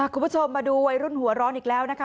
คุณผู้ชมมาดูวัยรุ่นหัวร้อนอีกแล้วนะคะ